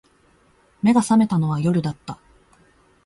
眼が覚めたのは夜だった